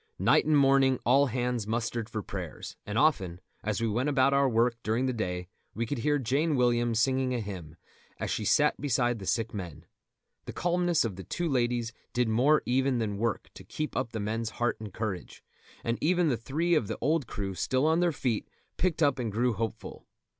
Night and morning all hands mustered for prayers; and often, as we went about our work during the day, we could hear Jane Williams singing a hymn, as she sat beside the sick men. The calmness of the two ladies did more even than work to keep up the men's heart and courage; and even the three of the old crew still on their feet picked up and grew hopeful.